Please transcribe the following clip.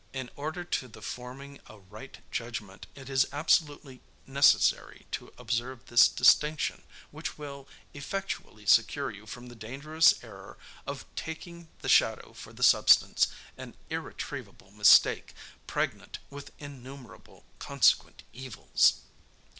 In order to the forming a right judgment, it is absolutely necessary to observe this distinction, which will effectually secure you from the dangerous error of taking the shadow for the substance, an irretrievable mistake, pregnant with innumerable consequent evils!